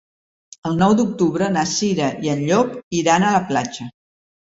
El nou d'octubre na Cira i en Llop iran a la platja.